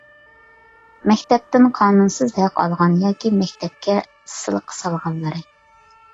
مەكتەپتىن قانۇنسىز ھەق ئالغان ياكى مەكتەپكە سىلىق سالغانلىرى.